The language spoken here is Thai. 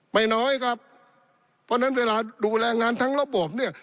ไม่น้อยครับเพราะฉะนั้นเวลาดูแลงานทั้งระบบเนี่ย